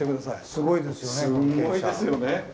すんごいですよね！